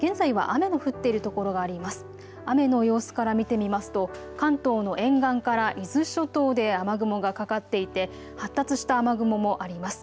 雨の様子から見てみますと関東の沿岸から伊豆諸島で雨雲がかかっていて発達した雨雲もあります。